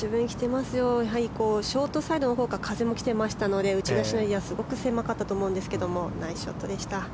やはりショートサイドのほうから風が来ていましたので打ち出しのエリアはすごく狭かったと思うんですがナイスショットでした。